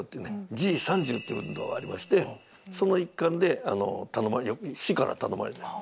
Ｇ３０っていう運動がありましてその一環であの市から頼まれて。